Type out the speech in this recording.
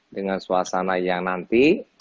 dengan suasana yang nanti